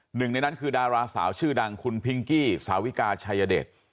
หนึ่งในนั้นคือดาราสาวชื่อดังคุณพิงกี้สาวิกาชายเดช